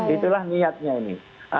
itulah niatnya ini